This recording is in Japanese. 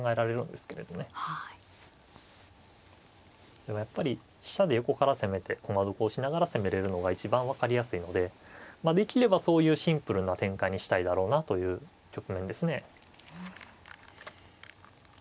でもやっぱり飛車で横から攻めて駒得をしながら攻めれるのが一番分かりやすいのでできればそういうシンプルな展開にしたいだろうなという局面ですね。